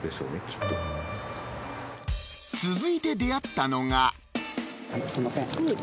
きっと続いて出会ったのがすいません